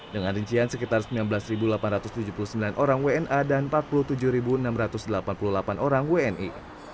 dengan rincian sekitar sembilan belas delapan ratus tujuh puluh sembilan orang wna dan empat puluh tujuh enam ratus delapan puluh delapan orang wni